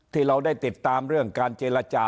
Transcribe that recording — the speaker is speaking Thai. ที่เราได้ติดตามเรื่องการเจรจา